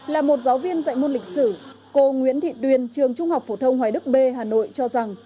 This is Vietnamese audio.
là một giáo viên dạy môn lịch sử cô nguyễn thị tuyền trường trung học phổ thông hoài đức b hà nội cho rằng